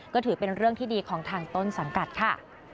ก็ถือเป็นเรื่องที่ดีของทางต้นสังกัดค่ะ